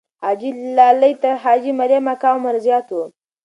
حاجي لالی تر حاجي مریم اکا عمر زیات وو.